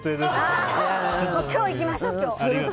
今日行きましょう！